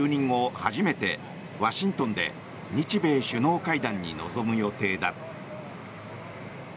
初めてワシントンで日米首脳会談に臨む予定だ。